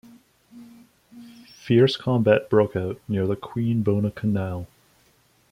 Fierce combat broke out near the Queen Bona Canal.